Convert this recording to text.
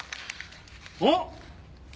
あっ！